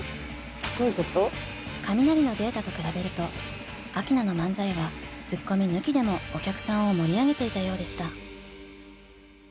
カミナリのデータと比べるとアキナの漫才はツッコミ抜きでもお客さんを盛り上げていたようでした。